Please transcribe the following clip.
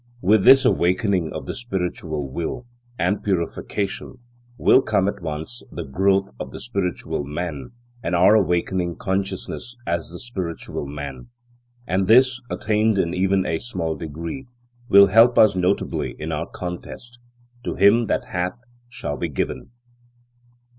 With this awakening of the spiritual will, and purification, will come at once the growth of the spiritual man and our awakening consciousness as the spiritual man; and this, attained in even a small degree, will help us notably in our contest. To him that hath, shall be given.